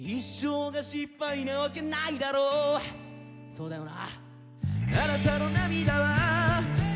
そうだよな？